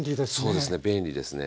そうですね便利ですね。